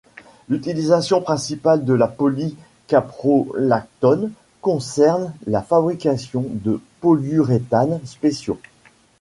L'utilisation principale de la polycaprolactone concerne la fabrication de polyuréthanes spéciaux.